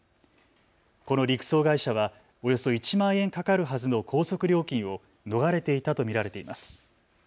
この陸送会社はおよそ１万円かかるはずの高速料金を逃れていたと見られています。